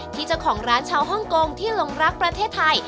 ที่เจ้าของร้านชาวฮ่องกงที่หลงรักประเทศไทย